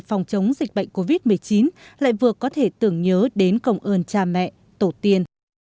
phòng chống dịch bệnh covid một mươi chín lại vừa có thể tưởng nhớ đến cộng ơn cha mẹ tổ tiên